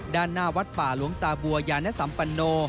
ด้านหน้าวัดป่าหลวงตาบัวยานสัมปันโน